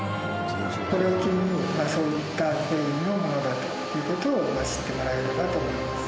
これを機にそういった経緯のものだという事を知ってもらえればと思います。